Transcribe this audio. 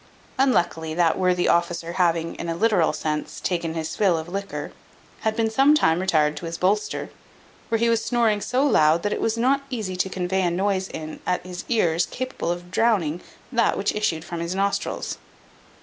Unluckily that worthy officer having, in a literal sense, taken his fill of liquor, had been some time retired to his bolster, where he was snoring so loud that it was not easy to convey a noise in at his ears capable of drowning that which issued from his nostrils.